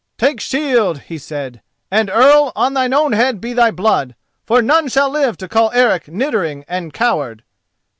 "Take shield," he said, "and, Earl, on thine own head be thy blood, for none shall live to call Eric niddering and coward."